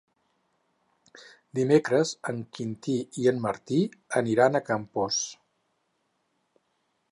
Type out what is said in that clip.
Dimecres en Quintí i en Martí aniran a Campos.